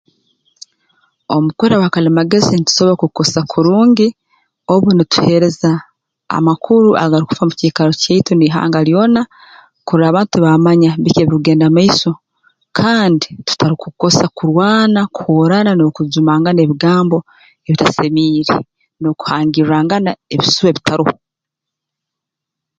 Omukura gwa kalimagezi ntusobora kugukozesa kurungi obu nutuheereza amakuru agarukufa mu kiikaro kyaitu n'ihanga lyona kurora abantu tibamanya biki ebirukugenda mu maiso kandi tutarukubikozesa kurwana kuhuurana n'okujumangana ebigambo ebitasemiire n'okuhangirrangana ebisuba ebitaroho